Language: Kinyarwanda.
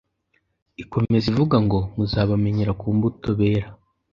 ikomeza ivuga ngo muzabamenyera ku mbuto bera